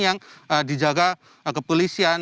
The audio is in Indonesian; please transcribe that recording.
yang dijaga kepolisian